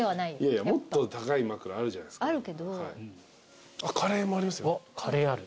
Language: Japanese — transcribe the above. いやいやもっと高い枕あるじゃないですか。